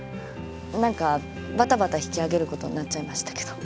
何かばたばた引き揚げることになっちゃいましたけど。